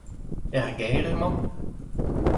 Er gêr emañ ?